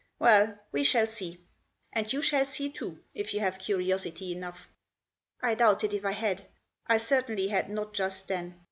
Well, we shall see — and you shall see too, if you have curiosity enough." I doubted if I had. I certainly had not just then.